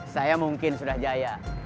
saya mungkin sudah jaya